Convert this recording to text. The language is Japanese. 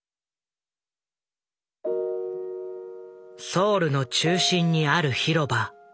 ソウルの中心にある広場。